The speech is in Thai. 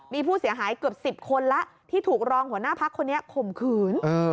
มีผู้เสียหายเกือบ๑๐คนแล้วที่ถูกรองหัวหน้าพักคนนี้ข่มขืน